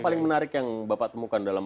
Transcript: paling menarik yang bapak temukan dalam